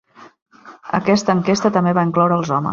Aquesta enquesta també va incloure els homes.